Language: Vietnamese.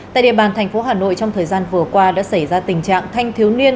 tại địa bàn thành phố hà nội trong thời gian vừa qua đã xảy ra tình trạng thanh thiếu niên